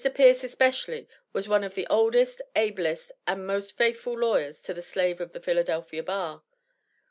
Peirce, especially, was one of the oldest, ablest and most faithful lawyers to the slave of the Philadelphia Bar.